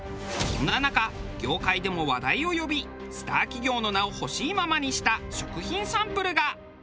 そんな中業界でも話題を呼びスター企業の名を欲しいままにした食品サンプルが。